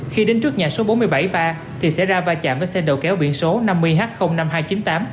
khi đến trước nhà số bốn mươi bảy ba thì xảy ra va chạm với xe đầu kéo biển số năm mươi h năm nghìn hai trăm chín mươi tám